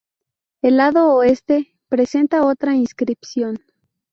El lado oeste presenta otra inscripción.